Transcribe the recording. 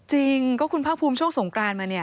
จริงก็คุณพักภูมิช่วงสงครานมา